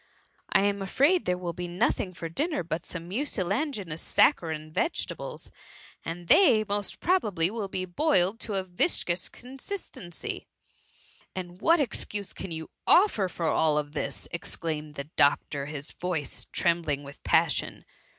I am afraid there will be nothii^ for dinner but some mucilaginous saccharine vegetables, and they, most probably, will be boiled to a viscous consistency.^ ^^ And what excuse can you offer for all thisP^ exclaimed the doctor, his voice trembling with passion.